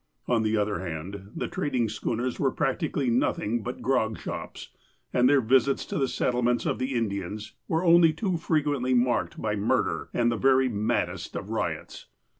On the other hand, the trading schooners were prac tically nothing but grog shops, and their visits to the set tlements of the Indians were only too frequently marked by murder, and the very maddest of riots.